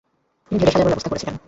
তিনি ঢেলে সাজাবার ব্যবস্থা করেছিলেন।